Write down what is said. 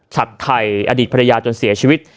ชัดไทยอดีตภรรยาจนเสียชีวิต